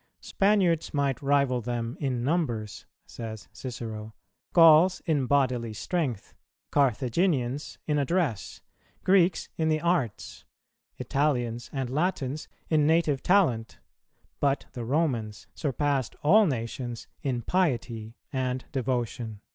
"Spaniards might rival them in numbers," says Cicero, "Gauls in bodily strength, Carthaginians in address, Greeks in the arts, Italians and Latins in native talent, but the Romans surpassed all nations in piety and devotion."